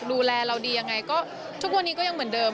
ดูแลเราดียังไงก็ทุกวันนี้ก็ยังเหมือนเดิม